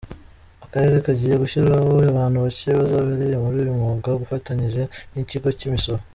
Akarere kagiye gushyiraho abantu bake bazobereye muri uyu mwuga gafatanyije n’Ikigo cy’imisoro.